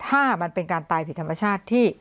ถ้ามันเป็นการตายผิดธรรมชาติที่